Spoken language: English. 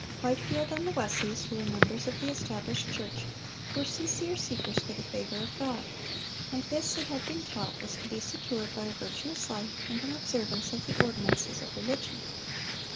Whitefield and the Wesleys, who were members of the established church, were sincere seekers for the favor of God, and this they had been taught was to be secured by a virtuous life and an observance of the ordinances of religion.